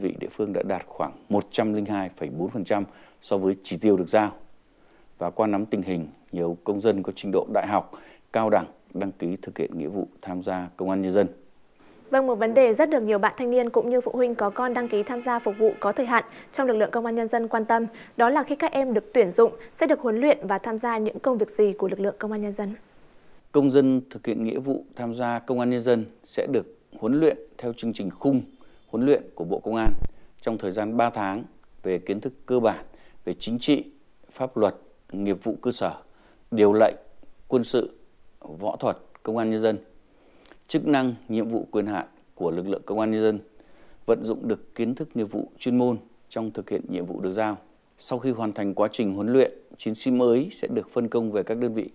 vâng đối với chiến sĩ nghĩa vụ tham gia phục vụ có thời hạn trong công an nhân dân thì được hưởng chế độ chính sách gì